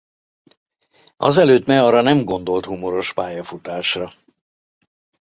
Azelőtt Meara nem gondolt humoros pályafutásra.